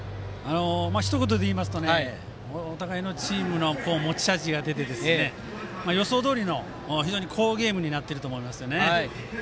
ひと言でいいますとお互いのチームの持ち味が出て予想どおりの非常に好ゲームになっていると思います。